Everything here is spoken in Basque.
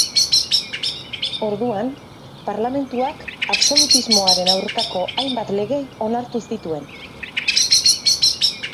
Orduan parlamentuak absolutismoaren aurkako hainbat lege onartu zituen.